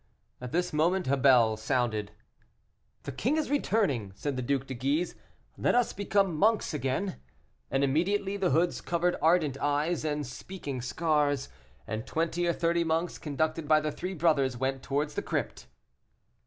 At this moment a bell sounded. "The king is returning," said the Duc de Guise; "let us become monks again." And immediately the hoods covered ardent eyes and speaking scars, and twenty or thirty monks, conducted by the three brothers, went towards the crypt.